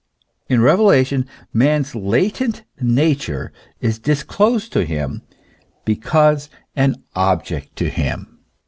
In revela tion man's latent nature is disclosed to him, becomes an object to him.